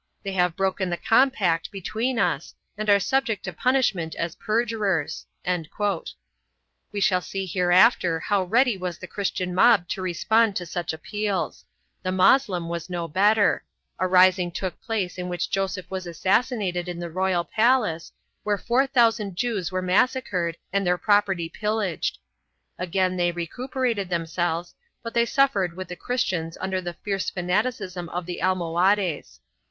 They have broken the compact between us and are subject to punishment as perjurers/' We shall see hereafter how ready was the Chris tian mob to respond to such appeals; the Moslem was no better; a rising took place in which Joseph was assassinated in the royal palace, while four thousand Jews were massacred and their property pillaged.3 Again they recuperated themselves, but they suffered with the Christians under the fierce fanaticism of the Almohades.